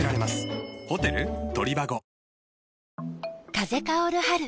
風薫る春。